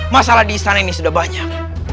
masalah di istana ini sudah banyak